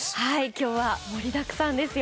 今日は盛りだくさんですよ。